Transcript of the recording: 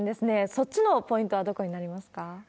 そっちのポイントはどこになりますか？